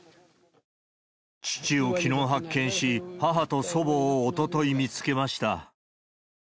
父をきのう発見し、母と祖母をおととい見つけました。